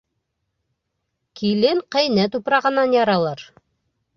Килен ҡәйнә тупрағынан яралыр.